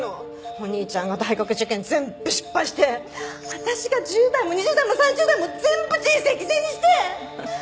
お兄ちゃんが大学受験全部失敗して私が１０代も２０代も３０代も全部人生犠牲にして！